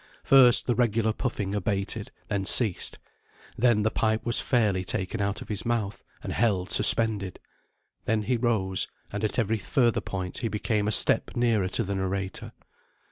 First, the regular puffing abated, then ceased. Then the pipe was fairly taken out of his mouth, and held suspended. Then he rose, and at every further point he came a step nearer to the narrator.